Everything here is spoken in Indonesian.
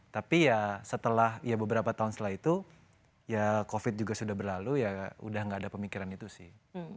tapi ya setelah ya beberapa tahun setelah itu ya covid juga sudah berlalu ya udah gak ada pemikiran itu sih